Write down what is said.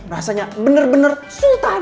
rasanya bener bener sultan